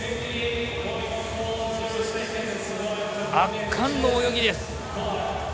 圧巻の泳ぎです。